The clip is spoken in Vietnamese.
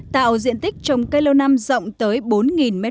tạo diện tích trồng cây lâu năm rộng tới bốn m hai